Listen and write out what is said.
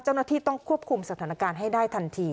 เจ้าหน้าที่ต้องควบคุมสถานการณ์ให้ได้ทันที